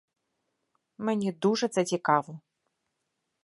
Мені дуже це цікаво.